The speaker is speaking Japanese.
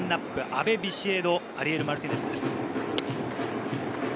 阿部、ビシエド、アリエル・マルティネスです。